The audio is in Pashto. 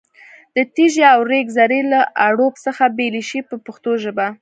د تېږې او ریګ ذرې له اړوب څخه بېلې شي په پښتو ژبه.